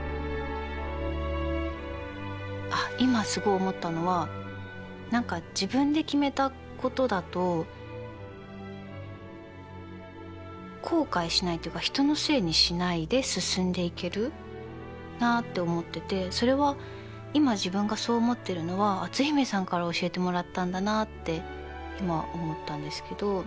あっ今すごい思ったのは何か自分で決めたことだと後悔しないっていうか人のせいにしないで進んでいけるなって思っててそれは今自分がそう思ってるのは篤姫さんから教えてもらったんだなって今思ったんですけど。